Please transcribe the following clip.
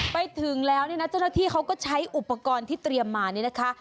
ไปถึงแล้วเนี่ยนะเจ้าหน้าที่เขาก็ใช้อุปกรณ์ที่เตรียมมานี่นะคะ